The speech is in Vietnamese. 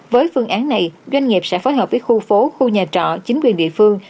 với phương án này doanh nghiệp sẽ phối hợp với khu phố khu nhà trọ chính quyền địa phương